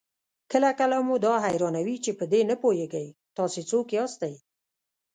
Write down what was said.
کله کله مو دا حيرانوي چې په دې نه پوهېږئ تاسې څوک ياستئ؟